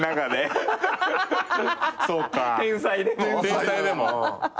天才でも。